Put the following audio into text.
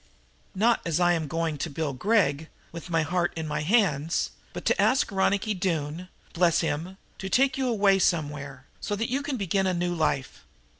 "Not as I'm going to Bill Gregg, with my heart in my hands, but to ask Ronicky Doone bless him! to take you away somewhere, so that you can begin a new life.